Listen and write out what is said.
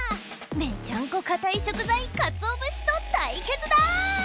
めちゃんこかたい食材「カツオ節」と対決だ！